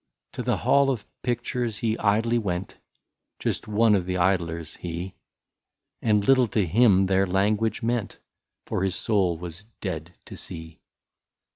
To the hall of pictures he idly went — Just one of the idlers he — And little to him their language meant. For his soul was dead to see.